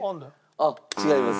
あっ違います。